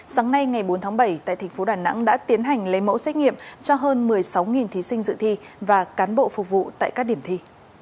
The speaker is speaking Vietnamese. sáng nay ngày bốn tháng bảy tại tp đà nẵng đã tiến hành lấy mẫu xét nghiệm cho hơn một mươi sáu thí sinh dự thi và cán bộ phục vụ tại các điểm thi